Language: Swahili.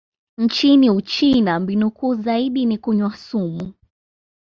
Nchini Uchina, mbinu kuu zaidi ni kunywa sumu.